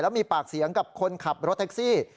มีปากเสียงกับคนขับรถแท็กซี่